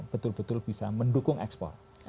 betul betul bisa mendukung ekspor